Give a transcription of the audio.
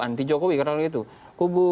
anti jokowi karena begitu